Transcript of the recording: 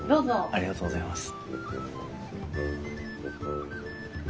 ありがとうございます。